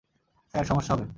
Sir, সমস্যা হবে।